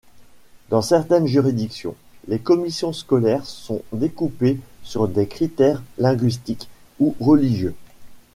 Dans certaines juridictions, les commissions scolaires sont découpées sur des critères linguistiques ou religieux.